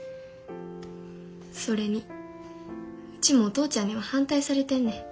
それにウチもお父ちゃんには反対されてんねん。